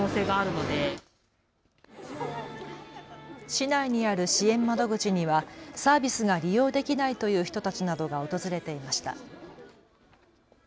市内にある支援窓口にはサービスが利用できないという人たちなどが訪れていました。